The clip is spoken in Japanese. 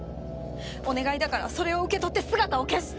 お願いだからそれを受け取って姿を消して！